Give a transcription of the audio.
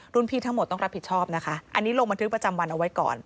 พี่ทั้งหมดต้องรับผิดชอบนะคะอันนี้ลงบันทึกประจำวันเอาไว้ก่อน